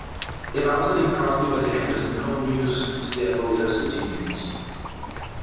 Er war außerdem Herausgeber der "Henderson Home News" und der "Boulder City News".